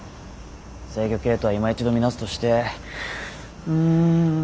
制御系統はいま一度見直すとしてうん。